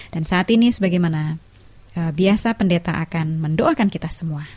dan saat ini sebagaimana biasa pendeta akan mendoakan kita semua